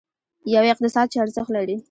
یو اقتصاد چې ارزښت لري.